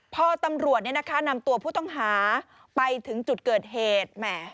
พอตำรวจนำตัวผู้ต้องหาไปถึงจุดเกิดเหตุแหม